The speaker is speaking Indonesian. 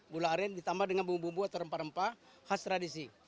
gula aren ditambah dengan bumbu bumbu atau rempah rempah khas tradisi